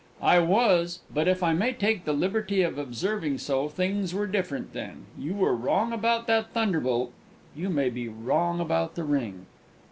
"I was; but, if I may take the liberty of observing so, things were different then. You were wrong about that thunderbolt you may be wrong about the ring!"